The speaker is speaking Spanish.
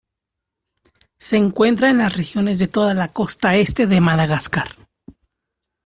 Se encuentra en las regiones de toda la costa este de Madagascar.